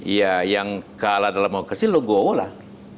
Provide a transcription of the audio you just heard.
ya yang kalah dalam demokrasi lo goa lah